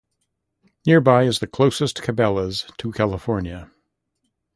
Nearby is the closest Cabela's to California.